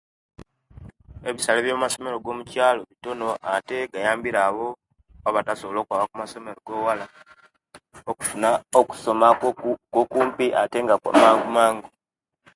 Ebisale byomumasomero gomukyalo bitono aate biyambire aabo abatasobola okwaaba kumasomero goowala, kufuna okusoma kwoku kwokumpi aatenga kwamangumangu.